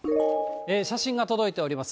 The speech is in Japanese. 写真が届いております。